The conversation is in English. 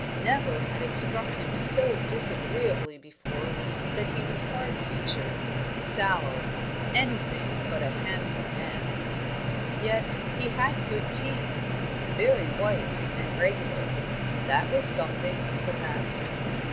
Never had it struck him so disagreeably before that he was hard featured, sallow, anything but a handsome man. Yet, he had good teeth, very white and regular; that was something, perhaps.